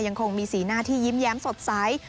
ยังคงมีสีหน้าที่ยิ้มแย้มสดใส